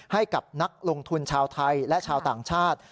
ให้กับนักลงทุนชาวไทยและชาวต่างชาติ